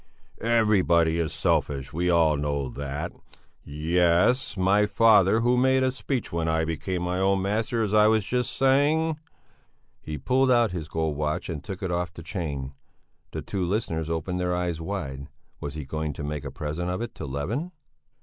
"Everybody is selfish, we all know that. Ye es! My father, who made a speech when I became my own master, as I was just saying " He pulled out his gold watch and took it off the chain. The two listeners opened their eyes wide. Was he going to make a present of it to Levin?